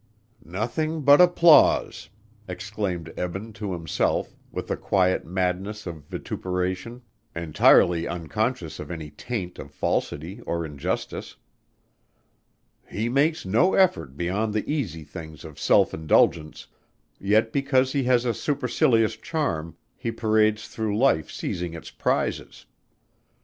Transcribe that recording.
"Nothing but applause!" exclaimed Eben to himself, with a quiet madness of vituperation entirely unconscious of any taint of falsity or injustice. "He makes no effort beyond the easy things of self indulgence, yet because he has a supercilious charm, he parades through life seizing its prizes!